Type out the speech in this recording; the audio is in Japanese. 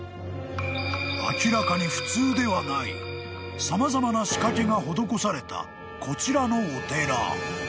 ［明らかに普通ではない様々な仕掛けが施されたこちらのお寺］